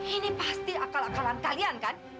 ini pasti akal akalan kalian kan